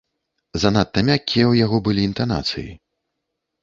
Занадта мяккія ў яго былі інтанацыі.